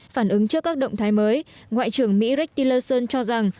phản ứng trước các động thái mới ngoại trưởng mỹ rick tillerson cho rằng